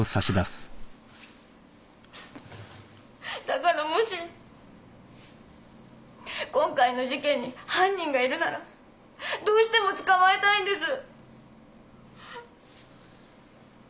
だからもし今回の事件に犯人がいるならどうしても捕まえたいんです。